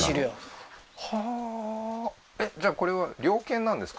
はあーえっじゃあこれは猟犬なんですか？